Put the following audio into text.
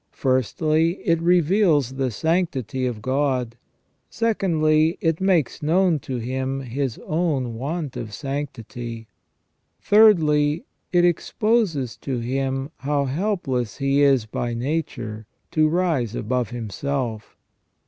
Firstly, it reveals the sanctity of God. Secondly, it makes known to him his own want of sanctity. Thirdly, it exposes to him how helpless he is, by nature, to rise above himself.